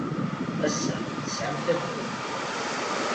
Ass-a, tesɛamt akud?